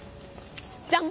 じゃん！